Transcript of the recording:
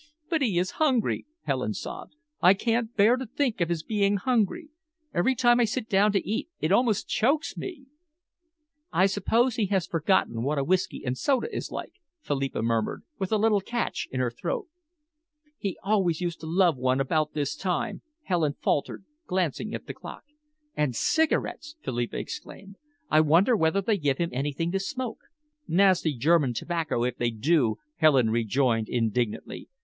"But he is hungry," Helen sobbed. "I can't bear to think of his being hungry. Every time I sit down to eat, it almost chokes me." "I suppose he has forgotten what a whisky and soda is like," Philippa murmured, with a little catch in her own throat. "He always used to love one about this time," Helen faltered, glancing at the clock. "And cigarettes!" Philippa exclaimed. "I wonder whether they give him anything to smoke." "Nasty German tobacco, if they do," Helen rejoined indignantly.